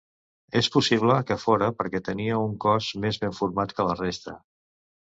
És possible que fóra perquè tenia un cos més ben format que la resta.